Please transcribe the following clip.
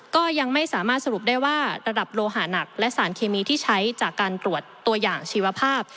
ก็ยังไม่สามารถสรุปได้ว่าระดับโลหะหนักและสารเคมีที่ใช้จากการตรวจตัวอย่างชีวภาพ